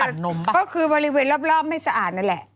ก็คือบริเวณรอบไม่สะอาดนั่นแหละ